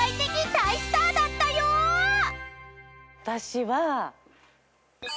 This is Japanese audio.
私は。